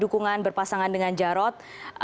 dukungan berpasangan dengan jarod